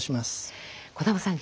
児玉さん